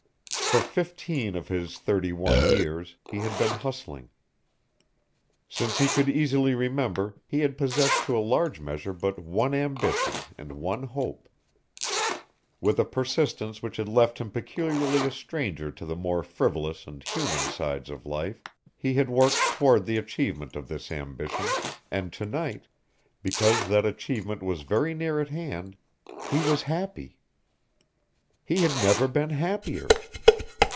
For fifteen of his thirty one years he had been hustling. Since he could easily remember, he had possessed to a large measure but one ambition and one hope. With a persistence which had left him peculiarly a stranger to the more frivolous and human sides of life he had worked toward the achievement of this ambition, and to night, because that achievement was very near at hand, he was happy. He had never been happier.